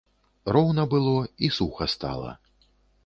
Роўна было, і суха стала.